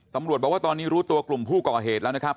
ตำรวจบอกว่าตอนนี้รู้ตัวกลุ่มผู้ก่อเหตุแล้วนะครับ